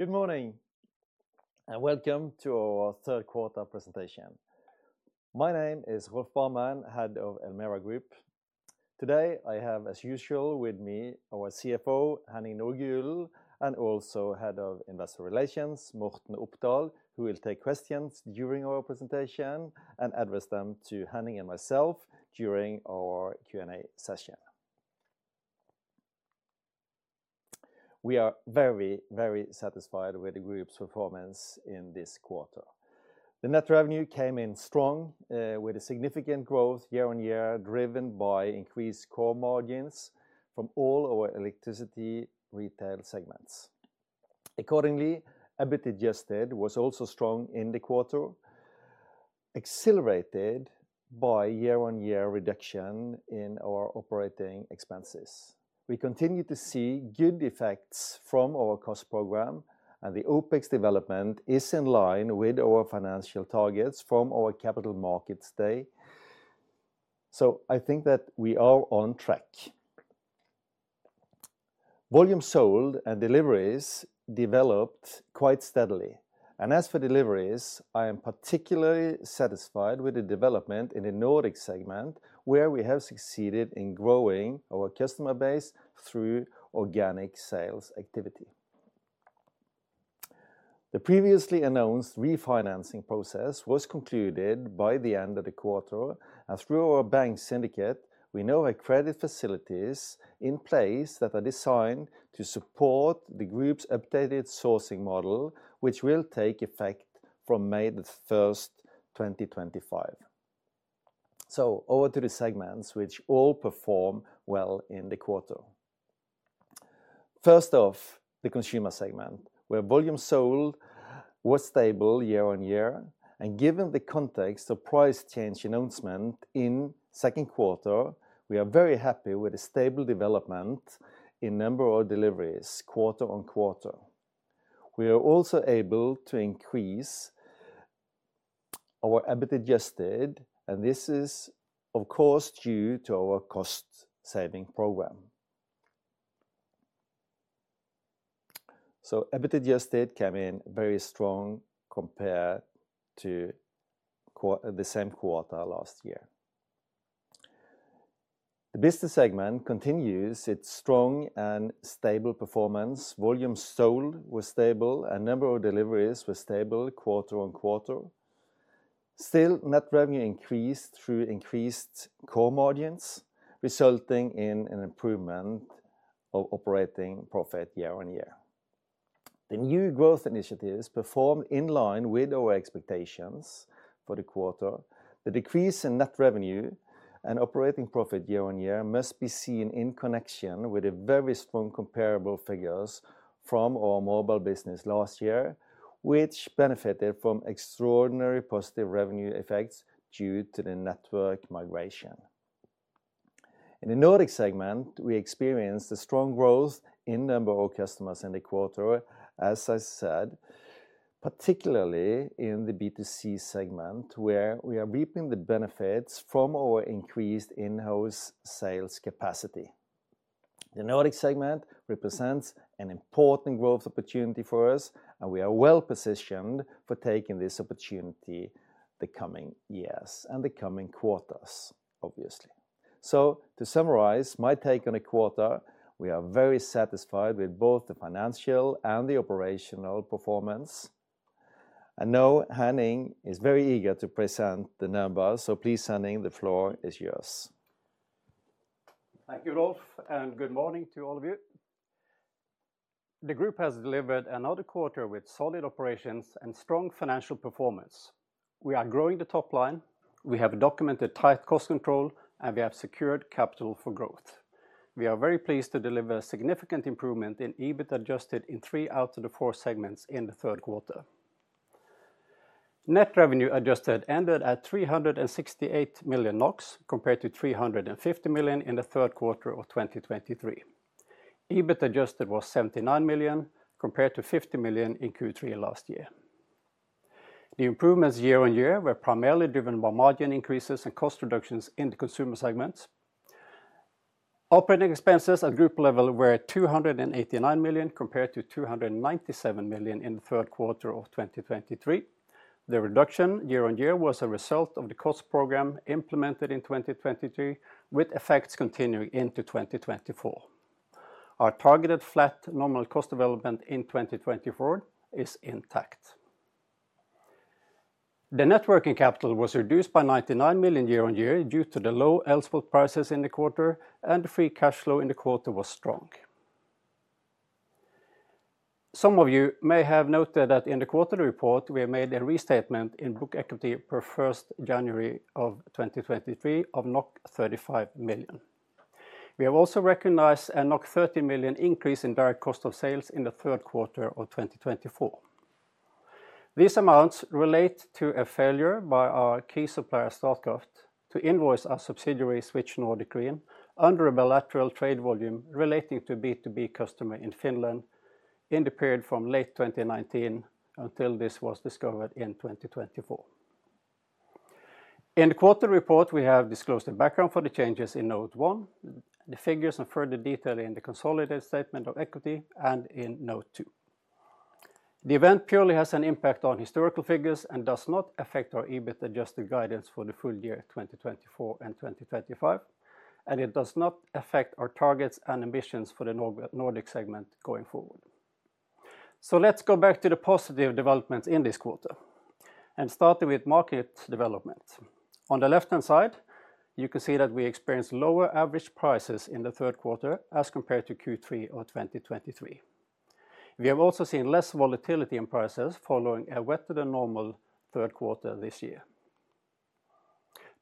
Good morning and welcome to our third quarter presentation. My name is Rolf Barmen, Head of Elmera Group. Today I have, as usual, with me our CFO, Henning Nordgulen, and also Head of Investor Relations, Morten Opdal, who will take questions during our presentation and address them to Henning and myself during our Q&A session. We are very, very satisfied with the group's performance in this quarter. The net revenue came in strong, with a significant growth year-on-year driven by increased core margins from all our electricity retail segments. Accordingly, EBIT adjusted was also strong in the quarter, accelerated by year-on-year reduction in our operating expenses. We continue to see good effects from our cost program, and the OPEX development is in line with our financial targets from our Capital Markets Day, so I think that we are on track. Volume sold and deliveries developed quite steadily. As for deliveries, I am particularly satisfied with the development in the Nordic segment, where we have succeeded in growing our customer base through organic sales activity. The previously announced refinancing process was concluded by the end of the quarter, and through our bank syndicate, we now have credit facilities in place that are designed to support the group's updated sourcing model, which will take effect from May the 1st, 2025. Over to the segments which all perform well in the quarter. First off, the consumer segment, where volume sold was stable year-on-year. Given the context of price change announcement in second quarter, we are very happy with the stable development in number of deliveries quarter-on-quarter. We are also able to increase our EBIT adjusted, and this is, of course, due to our cost saving program. So EBIT adjusted came in very strong compared to the same quarter last year. The business segment continues its strong and stable performance. Volume sold was stable, and number of deliveries was stable quarter-on-quarter. Still, net revenue increased through increased core margins, resulting in an improvement of operating profit year-on-year. The new growth initiatives performed in line with our expectations for the quarter. The decrease in net revenue and operating profit year-on-year must be seen in connection with the very strong comparable figures from our mobile business last year, which benefited from extraordinary positive revenue effects due to the network migration. In the Nordic segment, we experienced a strong growth in the number of customers in the quarter, as I said, particularly in the B2C segment, where we are reaping the benefits from our increased in-house sales capacity. The Nordic segment represents an important growth opportunity for us, and we are well positioned for taking this opportunity the coming years and the coming quarters, obviously. So to summarize my take on the quarter, we are very satisfied with both the financial and the operational performance. I know Henning is very eager to present the numbers, so please, Henning, the floor is yours. Thank you, Rolf, and good morning to all of you. The group has delivered another quarter with solid operations and strong financial performance. We are growing the top line. We have documented tight cost control, and we have secured capital for growth. We are very pleased to deliver a significant improvement in EBIT adjusted in three out of the four segments in the third quarter. Net revenue adjusted ended at 368 million NOK compared to 350 million in the third quarter of 2023. EBIT adjusted was 79 million compared to 50 million in Q3 last year. The improvements year-on-year were primarily driven by margin increases and cost reductions in the consumer segments. Operating expenses at group level were 289 million compared to 297 million in the third quarter of 2023. The reduction year-on-year was a result of the cost program implemented in 2023, with effects continuing into 2024. Our targeted flat normal cost development in 2024 is intact. The net working capital was reduced by 99 million year-on-year due to the low Elspot prices in the quarter, and the free cash flow in the quarter was strong. Some of you may have noted that in the quarterly report, we have made a restatement in book equity per 1st January of 2023 of 35 million. We have also recognized a 30 million increase in direct cost of sales in the third quarter of 2024. These amounts relate to a failure by our key supplier, Statkraft, to invoice our subsidiary, Switch Nordic Green, under a bilateral trade volume relating to a B2B customer in Finland in the period from late 2019 until this was discovered in 2024. In the quarter report, we have disclosed the background for the changes in note one, the figures and further detail in the consolidated statement of equity and in note two. The event purely has an impact on historical figures and does not affect our EBIT adjusted guidance for the full year 2024 and 2025, and it does not affect our targets and ambitions for the Nordic segment going forward. So let's go back to the positive developments in this quarter and start with market development. On the left-hand side, you can see that we experienced lower average prices in the third quarter as compared to Q3 of 2023. We have also seen less volatility in prices following a wetter than normal third quarter this year.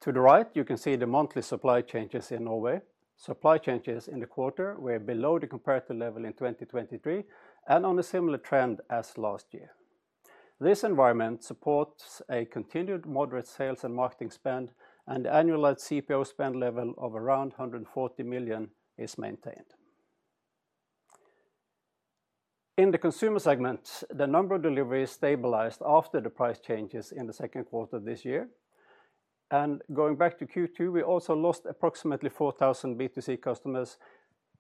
To the right, you can see the monthly supplier changes in Norway. Supply changes in the quarter were below the comparative level in 2023 and on a similar trend as last year. This environment supports a continued moderate sales and marketing spend, and the annualized CPO spend level of around 140 million NOK is maintained. In the consumer segment, the number of deliveries stabilized after the price changes in the second quarter this year and going back to Q2, we also lost approximately 4,000 B2C customers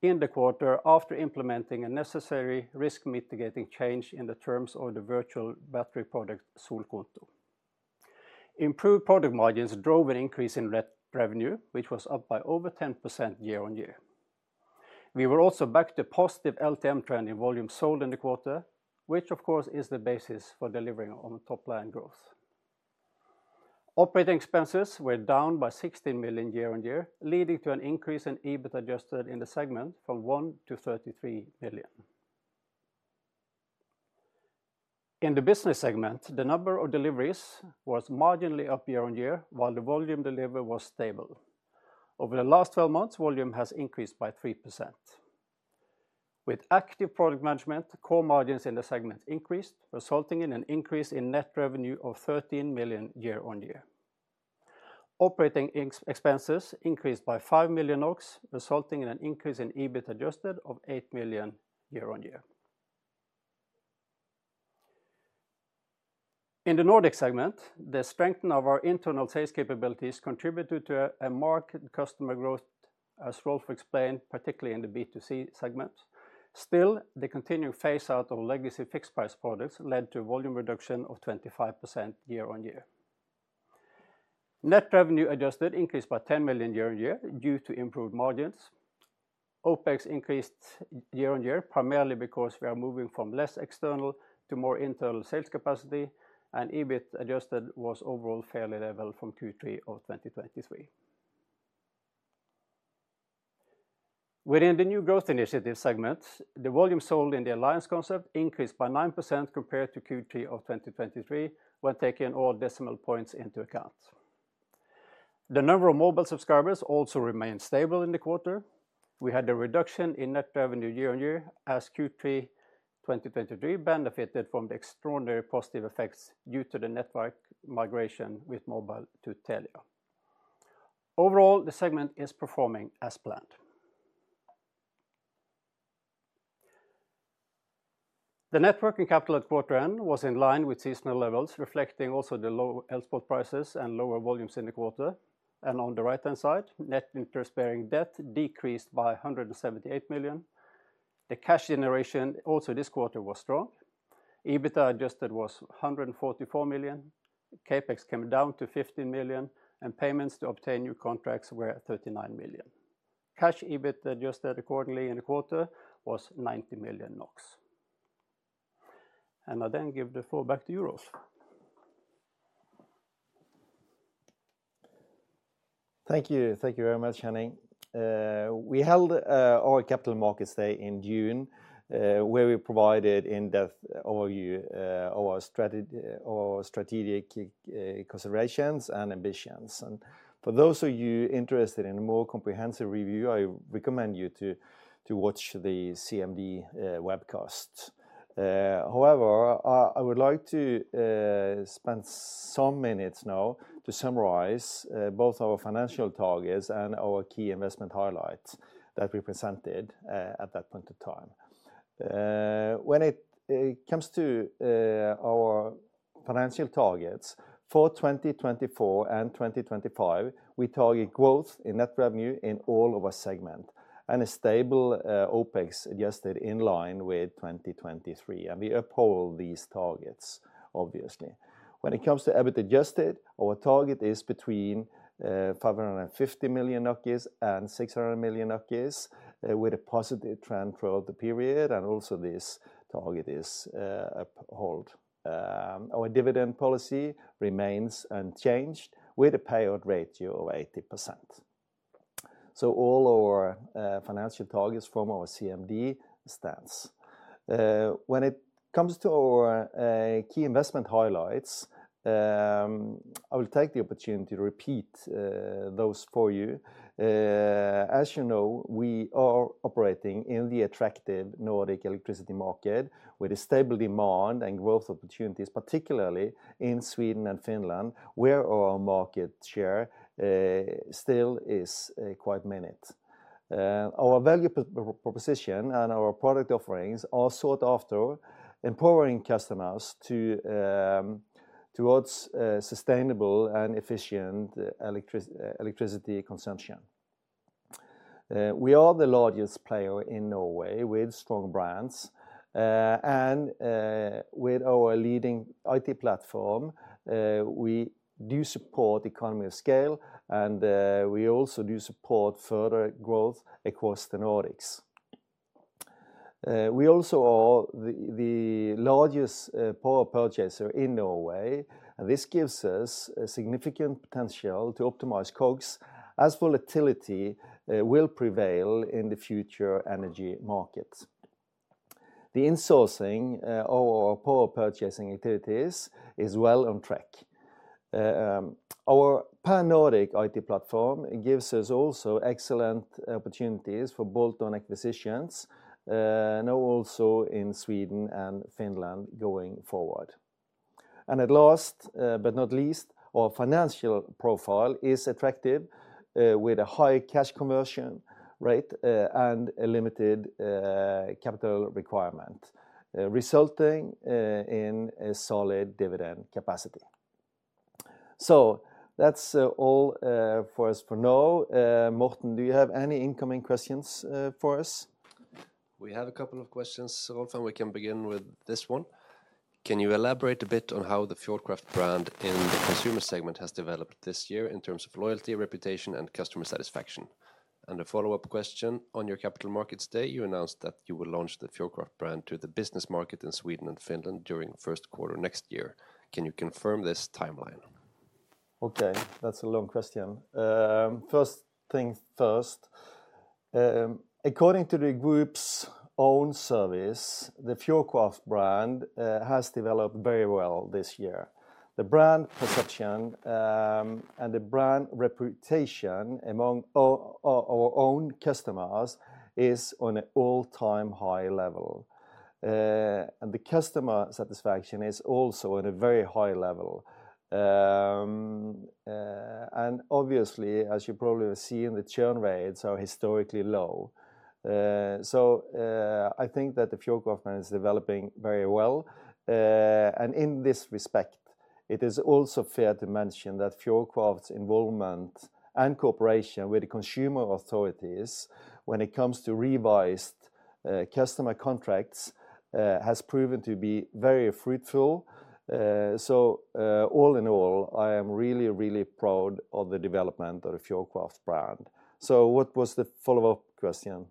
in the quarter after implementing a necessary risk mitigating change in the terms of the virtual battery product, Solkonto. Improved product margins drove an increase in net revenue, which was up by over 10% year-on-year. We were also back to a positive LTM trend in volume sold in the quarter, which, of course, is the basis for delivering on top line growth. Operating expenses were down by 16 million year-on-year, leading to an increase in EBIT adjusted in the segment from one million to 33 million. In the business segment, the number of deliveries was marginally up year-on-year, while the volume delivery was stable. Over the last 12 months, volume has increased by 3%. With active product management, core margins in the segment increased, resulting in an increase in net revenue of 13 million year-on-year. Operating expenses increased by 5 million, resulting in an increase in EBIT adjusted of 8 million year-on-year. In the Nordic segment, the strengthening of our internal sales capabilities contributed to a marked customer growth, as Rolf explained, particularly in the B2C segment. Still, the continuing phase out of legacy fixed price products led to a volume reduction of 25% year-on-year. Net revenue adjusted increased by 10 million NOK year-on-year due to improved margins. OPEX increased year-on-year, primarily because we are moving from less external to more internal sales capacity, and EBIT adjusted was overall fairly level from Q3 of 2023. Within the new growth initiative segment, the volume sold in the Alliance concept increased by 9% compared to Q3 of 2023 when taking all decimal points into account. The number of mobile subscribers also remained stable in the quarter. We had a reduction in net revenue year-on-year as Q3 2023 benefited from the extraordinary positive effects due to the network migration with mobile to Telia. Overall, the segment is performing as planned. The net working capital at quarter end was in line with seasonal level, reflecting also the low Elspot prices and lower volumes in the quarter. And on the right-hand side, net interest-bearing debt decreased by 178 million NOK. The cash generation also this quarter was strong. EBIT adjusted was 144 million NOK. CAPEX came down to 15 million NOK, and payments to obtain new contracts were 39 million NOK. Cash EBIT adjusted accordingly in the quarter was 90 million NOK. And I then give the floor back to you, Rolf. Thank you. Thank you very much, Henning. We held our Capital Markets Day in June, where we provided in-depth overview of our strategic considerations and ambitions, and for those of you interested in a more comprehensive review, I recommend you to watch the CMD webcast. However, I would like to spend some minutes now to summarize both our financial targets and our key investment highlights that we presented at that point of time. When it comes to our financial targets for 2024 and 2025, we target growth in net revenue in all of our segments and a stable OPEX, adjusted in line with 2023, and we uphold these targets, obviously. When it comes to EBIT adjusted, our target is between 550 million and 600 million, with a positive trend throughout the period, and also this target is upheld. Our dividend policy remains unchanged with a payout ratio of 80%, so all our financial targets from our CMD stand. When it comes to our key investment highlights, I will take the opportunity to repeat those for you. As you know, we are operating in the attractive Nordic electricity market with a stable demand and growth opportunities, particularly in Sweden and Finland, where our market share still is quite minute. Our value proposition and our product offerings are sought after, empowering customers towards sustainable and efficient electricity consumption. We are the largest player in Norway with strong brands, and with our leading IT platform, we do support economies of scale, and we also do support further growth across the Nordics. We also are the largest power purchaser in Norway, and this gives us significant potential to optimize COGS as volatility will prevail in the future energy markets. The insourcing of our power purchasing activities is well on track. Our Pan-Nordic IT platform gives us also excellent opportunities for bolt-on acquisitions, and also in Sweden and Finland going forward. And at last, but not least, our financial profile is attractive with a high cash conversion rate and a limited capital requirement, resulting in a solid dividend capacity. So that's all for us for now. Morten, do you have any incoming questions for us? We have a couple of questions, Rolf, and we can begin with this one. Can you elaborate a bit on how the Fjordkraft brand in the consumer segment has developed this year in terms of loyalty, reputation, and customer satisfaction? And a follow-up question. On your Capital Markets Day, you announced that you will launch the Fjordkraft brand to the business market in Sweden and Finland during the first quarter next year. Can you confirm this timeline? Okay, that's a long question. First things first. According to the group's own service, the Fjordkraft brand has developed very well this year. The brand perception and the brand reputation among our own customers is on an all-time high level, and the customer satisfaction is also on a very high level, and obviously, as you probably have seen, the churn rates are historically low, so I think that the Fjordkraft brand is developing very well, and in this respect, it is also fair to mention that Fjordkraft's involvement and cooperation with the consumer authorities when it comes to revised customer contracts has proven to be very fruitful, so all in all, I am really, really proud of the development of the Fjordkraft brand, so what was the follow-up question?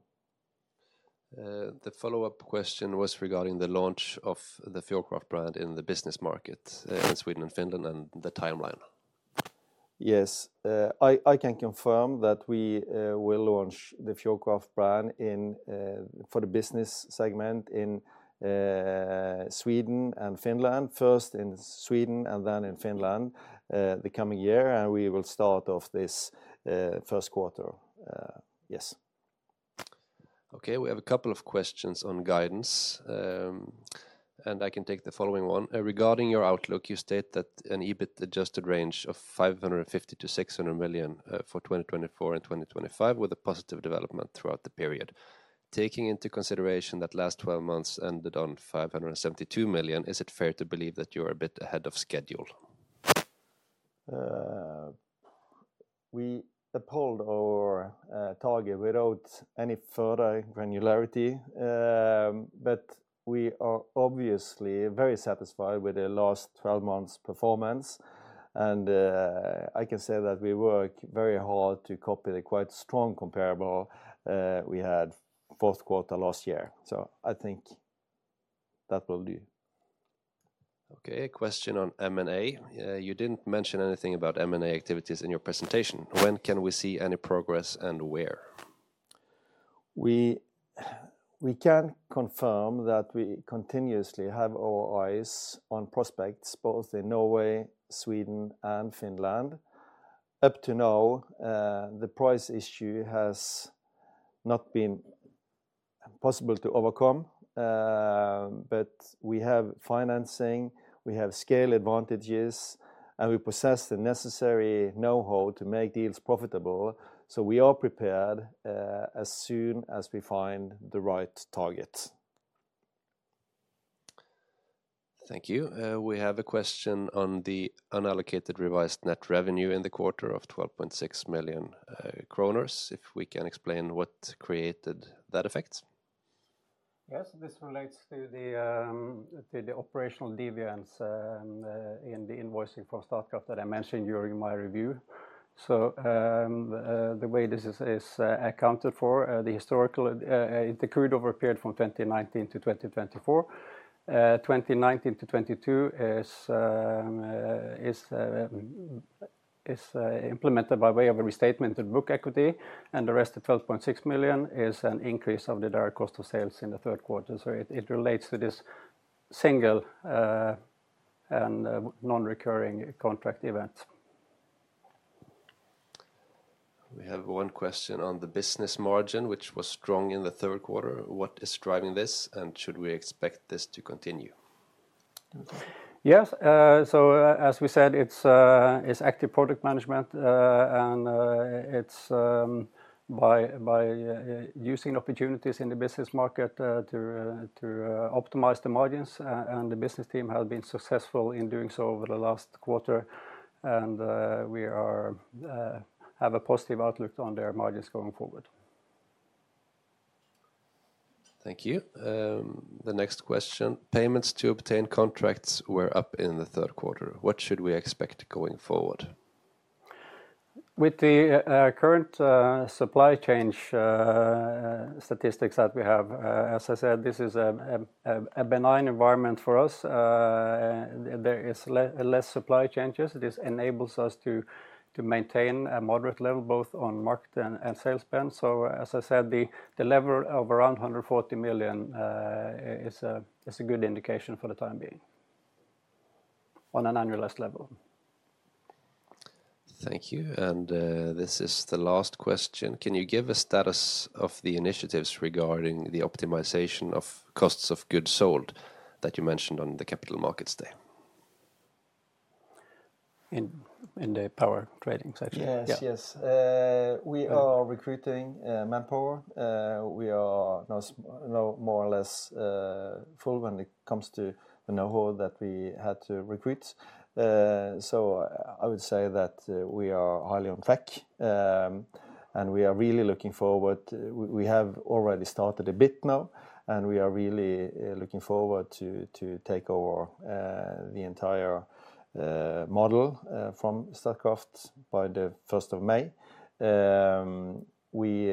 The follow-up question was regarding the launch of the Fjordkraft brand in the business market in Sweden and Finland and the timeline. Yes, I can confirm that we will launch the Fjordkraft brand for the business segment in Sweden and Finland. First in Sweden and then in Finland the coming year, and we will start off this first quarter. Yes. Okay, we have a couple of questions on guidance, and I can take the following one. Regarding your outlook, you state that an EBIT adjusted range of 550-600 million for 2024 and 2025 with a positive development throughout the period. Taking into consideration that last 12 months ended on 572 million, is it fair to believe that you are a bit ahead of schedule? We upheld our target without any further granularity, but we are obviously very satisfied with the last 12 months' performance. And I can say that we work very hard to copy the quite strong comparable we had fourth quarter last year. So I think that will do. Okay, a question on M&A. You didn't mention anything about M&A activities in your presentation. When can we see any progress and where? We can confirm that we continuously have our eyes on prospects both in Norway, Sweden and Finland. Up to now, the price issue has not been possible to overcome, but we have financing, we have scale advantages, and we possess the necessary know-how to make deals profitable, so we are prepared as soon as we find the right target. Thank you. We have a question on the unallocated revised net revenue in the quarter of 12.6 million kroner. If we can explain what created that effect. Yes, this relates to the operational deviations in the invoicing from Statkraft that I mentioned during my review, so the way this is accounted for, the historical, it accrued over a period from 2019 to 2024. 2019 to 2022 is implemented by way of a restatement of book equity, and the rest of 12.6 million is an increase of the direct cost of sales in the third quarter, so it relates to this single and non-recurring contract event. We have one question on the business margin, which was strong in the third quarter. What is driving this, and should we expect this to continue? Yes, so as we said, it's active product management, and it's by using opportunities in the business market to optimize the margins, and the business team has been successful in doing so over the last quarter, and we have a positive outlook on their margins going forward. Thank you. The next question. Payments to obtain contracts were up in the third quarter. What should we expect going forward? With the current supplier change statistics that we have, as I said, this is a benign environment for us. There is less supplier changes. This enables us to maintain a moderate level both on market and sales spend. So as I said, the level of around 140 million is a good indication for the time being on an annualized level. Thank you, and this is the last question. Can you give a status of the initiatives regarding the optimization of cost of goods sold that you mentioned on the Capital Markets Day? In the power trading section. Yes, yes. We are recruiting manpower. We are now more or less full when it comes to the know-how that we had to recruit. So I would say that we are highly on track, and we are really looking forward. We have already started a bit now, and we are really looking forward to take over the entire model from Statkraft by the 1st of May. We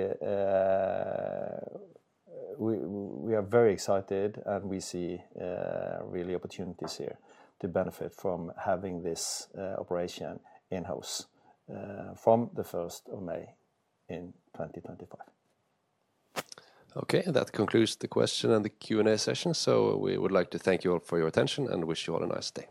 are very excited, and we see really opportunities here to benefit from having this operation in-house from the 1st of May in 2025. Okay, that concludes the question and the Q&A session. So we would like to thank you all for your attention and wish you all a nice day.